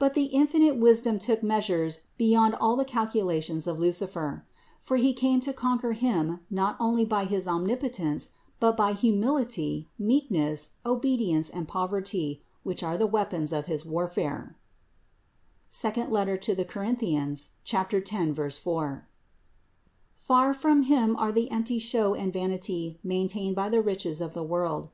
329. But the infinite Wisdom took measures beyond all the calculations of Lucifer: for He came to conquer him not only by his Omnipotence, but by humility, meek ness, obedience and poverty, which are the weapons of his warfare (II Cor. 10, 4) ; far from Him are the empty show and vanity maintained by the riches of the world.